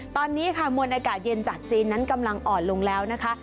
ตอนนี้ค่ะมวลอากาศเย็นจากจีนนั้นกำลังอ่อนลงแล้วนะคะ